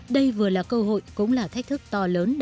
đây vừa là cơ hội cũng là thách thức to lớn